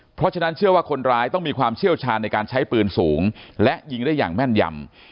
เพราะฉะนั้นเชื่อว่าคนร้ายต้องมีความเชี่ยวชาญในการใช้ปืนสูงและยิงได้อย่างแม่นยำ